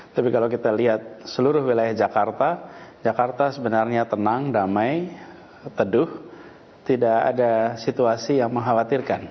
tapi kalau kita lihat seluruh wilayah jakarta jakarta sebenarnya tenang damai teduh tidak ada situasi yang mengkhawatirkan